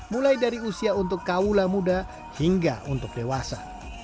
mulai dari usia untuk kaula muda hingga untuk dewasa